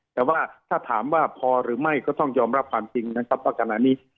แต่ว่าถ้าถามว่าพอหรือไม่ก็ต้องยอมรับความจริงนะครับว่าขณะนี้